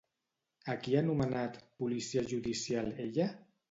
A qui ha nomenat policia judicial ella?